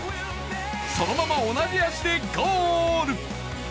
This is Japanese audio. そのまま、同じ足でゴール。